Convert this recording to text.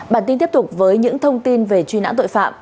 bản tin tiếp tục với những thông tin về truy nã tội phạm